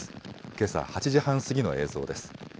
けさ８時半過ぎの映像です。